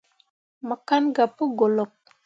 Mo kan gah pu golok.